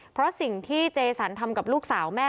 เพราะสิ่งที่เจสันทำกับลูกสาวแม่